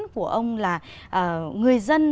của ông là người dân